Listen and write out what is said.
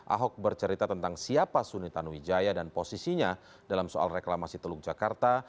ahok bercerita tentang siapa suni tanuwijaya dan posisinya dalam soal reklamasi teluk jakarta